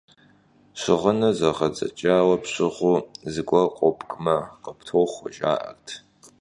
Щыгъыныр зэгъэдзэкӀауэ пщыгъыу зыгуэр къобгмэ, къыптохуэ, жаӀэрт.